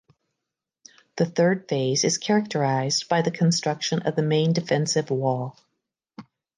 The third phase is characterized by the construction of the main defensive wall.